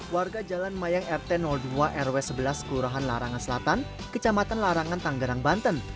warga jalan mayang rt dua rw sebelas kelurahan larangan selatan kecamatan larangan tanggerang banten